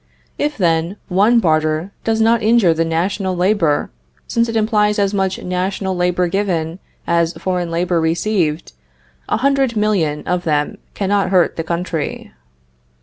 If, then, one barter does not injure the national labor, since it implies as much national labor given as foreign labor received, a hundred million of them cannot hurt the country.